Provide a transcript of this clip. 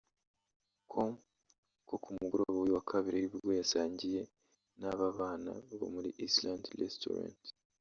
com ko ku mugoroba w'uyu wa Kabiri ari bwo yasangiye n'aba bana muri Island Restaurant